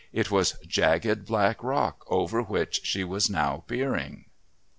It was "jagged black rock" over which she was now peering.